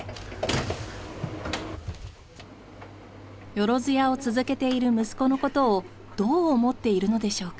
よろづやを続けている息子のことをどう思っているのでしょうか？